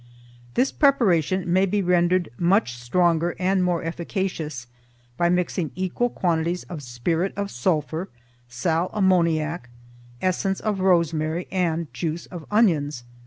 This preparation may be rendered much stronger and more efficacious by mixing equal quantities of spirit of sulphur, sal ammoniac, essence of rosemary and juice of onions.